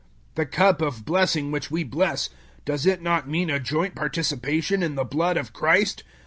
010:016 The cup of blessing, which we bless, does it not mean a joint participation in the blood of Christ?